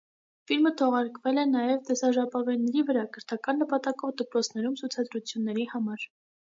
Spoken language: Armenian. Ֆիլմը թողարկվել է նաև տեսաժապավենների վրա՝ կրթական նպատակով դպրոցներում ցուցադրությունների համար։